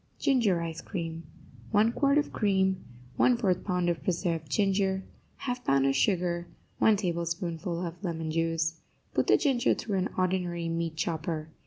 GINGER ICE CREAM 1 quart of cream 1/4 pound of preserved ginger 1/2 pound of sugar 1 tablespoonful of lemon juice Put the ginger through an ordinary meat chopper.